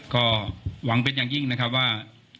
ก็หวังเป็นอย่างยิ่งนะครับว่า